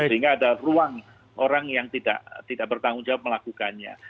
sehingga ada ruang orang yang tidak bertanggung jawab melakukannya